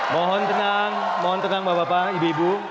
mohon tenang mohon tenang bapak bapak ibu ibu